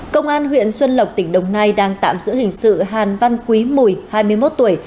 công an huyện xuân lộc tỉnh đồng nai đang tạm giữ hình sự hàn văn quý mùi hai mươi một tuổi